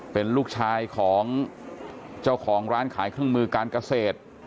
เป็นลูกชายของเจ้าของร้านขายเครื่องมือการเกษตร